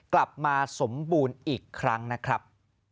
กลับมาสมบูรณ์อีกครั้งนะครับ